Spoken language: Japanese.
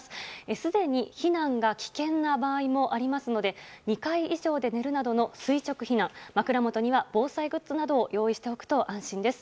すでに、避難が危険な場合もありますので２階以上で寝るなどの垂直避難枕元には防災グッズなどを用意しておくと安心です。